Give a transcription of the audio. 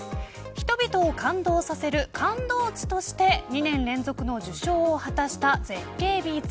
人々を感動させる感動地として２年連続の受賞を果たした絶景ビーチ。